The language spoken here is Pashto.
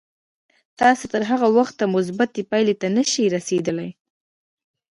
تاسې تر هغه وخته مثبتې پايلې ته نه شئ رسېدای.